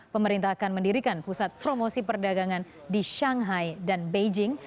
pemerintah akan mendirikan pusat promosi perdagangan di shanghai dan beijing